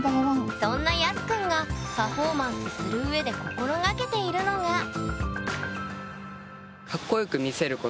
そんなＹＡＳＵくんがパフォーマンスする上で心がけているのがそう。